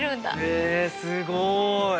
へえすごい。